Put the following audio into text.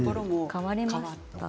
変わりましたね。